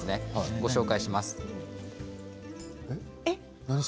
ご紹介します。